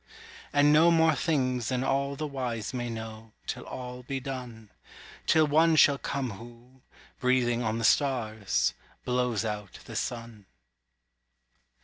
And know more things than all the wise may know Till all be done; Till One shall come who, breathing on the stars, Blows out the sun.